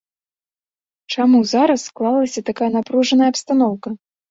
Чаму зараз склалася такая напружаная абстаноўка?